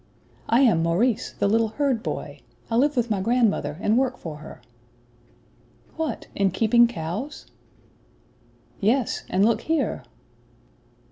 "I am Maurice, the little herd boy. I live with my grandmother, and work for her." "What, in keeping cows?" "Yes; and look here!"